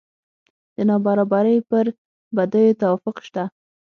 د نابرابرۍ پر بدیو توافق شته.